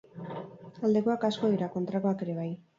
Aldekoak asko dira, kontrakoak ere bai.